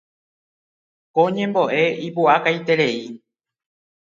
Ko ñembo'e ipu'akaiterei.